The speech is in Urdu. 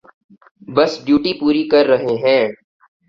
بس ڈیوٹی پوری کر رہے ہیں۔